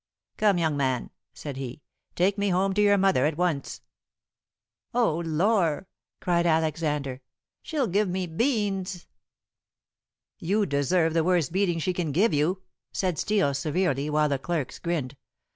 "Come, young man," said he, "take me home to your mother at once." "Oh, Lor'," cried Alexander, "she'll give me beans!" "You deserve the worst beating she can give you," said Steel severely, while the clerks grinned.